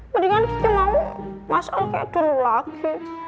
mendingan kike mau mas al kayak dulu lagi